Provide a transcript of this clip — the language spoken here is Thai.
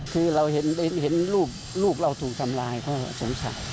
คือเราเห็นลูกเราถูกทำลายเขาสงสัย